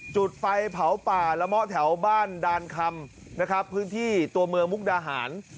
จุดไฟเผาป่าละเมาะแถวบ้านดานคำนะครับพื้นที่ตัวเมืองมุกดาหาร